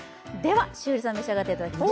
栞里さんに召し上がっていただきます。